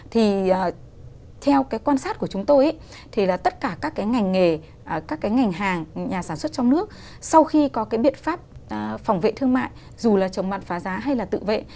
thì theo cái quan sát của chúng tôi thì là tất cả các cái ngành nghề các cái ngành hàng nhà sản xuất trong nước sau khi có cái biện pháp phòng vệ thương mại dù là chống mặt phá giá hay là tự vệ